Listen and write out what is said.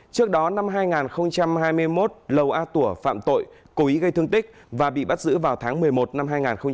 trước đó năm hai nghìn hai mươi một lầu a tủa phạm tội cố ý gây thương tích và bị bắt giữ vào tháng một mươi một năm hai nghìn hai mươi ba